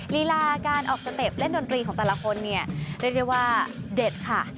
ลีลาการออกสเต็ปเล่นดนตรีของแต่ละคนเนี่ยเรียกได้ว่าเด็ดค่ะ